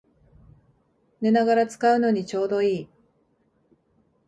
寝ながら使うのにちょうどいい